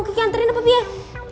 mau kiki antarin apa biar